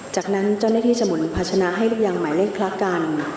จากนั้นเจ้าหน้าที่สมุนภาชนะให้ลูกยังหมายเลขพระกัน